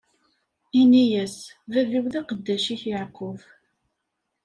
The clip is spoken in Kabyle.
Ini-yas: Bab-iw, d aqeddac-ik Yeɛqub.